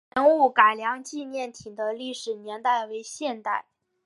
盐务改良纪念亭的历史年代为现代。